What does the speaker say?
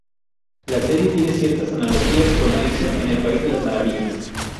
La serie tiene ciertas analogías con Alicia en el país de las maravillas.